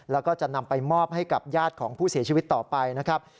แล้วก็จะนำไปมอบให้กับญาติของผู้เสียชีวิตต่อไปนะครับ